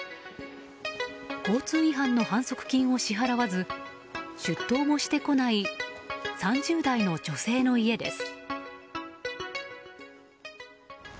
交通違反の反則金を支払わず出頭もしてこない３０代の女性の家です。